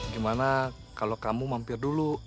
gimana kalau kamu mampir dulu